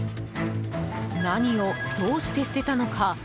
何をどうして捨てたのか？